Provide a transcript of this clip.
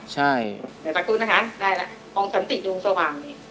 ใช่ค่ะ